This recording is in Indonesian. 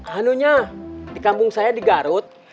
hanunya di kampung saya di garut